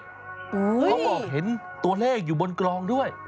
เขาบอกเห็นตัวเลขอยู่บนกลองด้วย